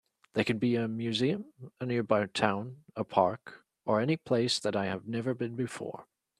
They can be a museum, a nearby town, a park, or any place that I have never been before.